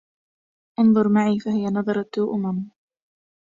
انظر معي فهي نظرة أمم